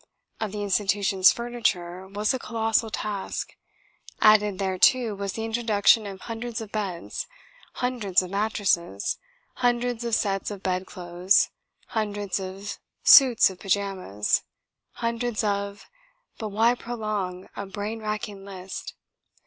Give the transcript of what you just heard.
of the institution's furniture was a colossal task; added thereto was the introduction of hundreds of beds, hundreds of mattresses, hundreds of sets of bedclothes, hundreds of suits of pyjamas, hundreds of But why prolong a brain racking list?